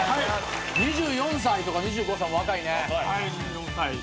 ２４歳とか２５歳若いね。